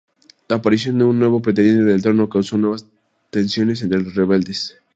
La aparición de un nuevo pretendiente al trono causó nuevas tensiones entre los rebeldes.